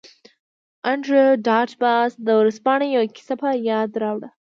انډریو ډاټ باس د ورځپاڼې یوه کیسه په یاد راوړه